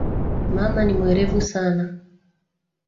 Mama ni mwerevu sana.